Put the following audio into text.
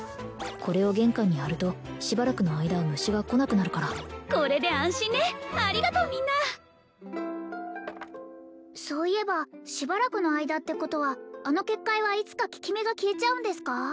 これを玄関に貼るとしばらくの間虫が来なくなるからこれで安心ねありがとうみんなそういえばしばらくの間ってことはあの結界はいつか効き目が消えちゃうんですか？